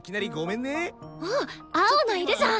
おっ青野いるじゃん。